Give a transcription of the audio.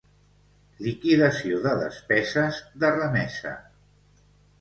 Liquidació de despeses de remesa